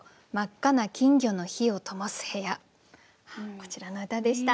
こちらの歌でした。